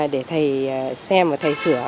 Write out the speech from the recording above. để thầy xem và thầy sửa